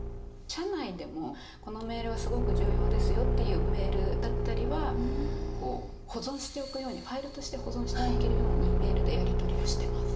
社内でもこのメールはすごく重要ですよっていうメールだったりは保存しておくようにファイルとして保存しておけるようにメールでやり取りをしてます。